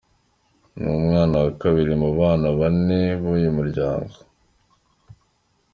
Ni umwana wa kabiri mu bana bane b’uyu muryango.